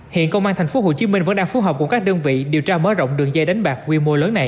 hiện công an tp hcm vẫn đang phù hợp cùng các đơn vị điều tra mở rộng đường dây đánh bạc quy mô lớn này